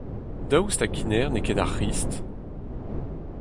Daoust hag hennezh n’eo ket ar C’hrist ?